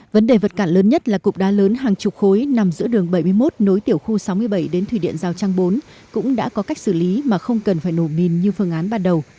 vấn đề vật cản lớn nhất là cục đá lớn hàng chục khối nằm giữa đường bảy mươi một nối tiểu khu sáu mươi bảy đến thủy điện giao trang bốn cũng đã có cách xử lý mà không cần phải nổ mìn như phương án ban đầu